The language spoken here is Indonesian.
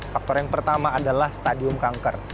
faktor yang pertama adalah stadium kanker